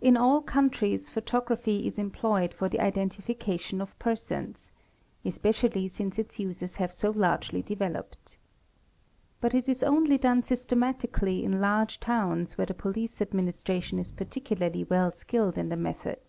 In all countries photography is employed for the identification of persons, especially since its uses have so largely developed. But it only done systematically in large towns where the police adminis tration is particularly well skilled in the method.